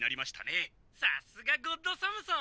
・さすがゴッドサムソン！